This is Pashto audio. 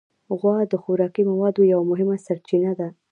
غوا د خوراکي موادو یو مهمه سرچینه ده.